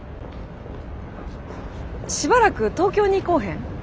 しばらく東京に来うへん？